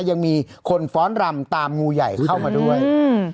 ยังมีคนฟ้อนรำตามงูใหญ่เข้ามาด้วยอืม